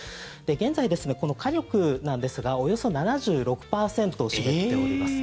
現在、この火力なんですがおよそ７６％を占めております。